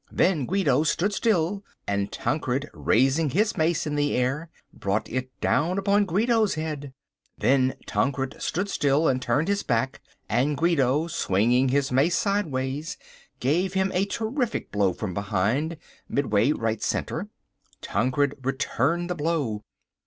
Then Guido stood still, and Tancred raising his mace in the air brought it down upon Guido's head. Then Tancred stood still and turned his back, and Guido, swinging his mace sideways, gave him a terrific blow from behind, midway, right centre. Tancred returned the blow.